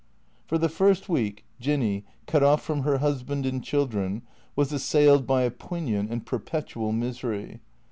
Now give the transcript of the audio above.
For the first week Jinny, cut off from her husband and children, was assailed by a poignant and perpetual misery.